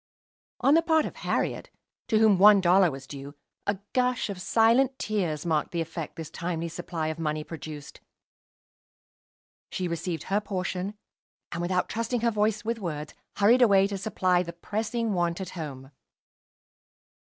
On the part of Harriet, to whom one dollar was due, a gush of silent tears marked the effect this timely supply of money produced. She received her portion, and, without trusting her voice with words, hurried away to supply the pressing want at home.